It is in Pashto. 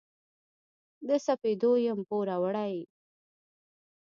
د سپېدو یم پوروړي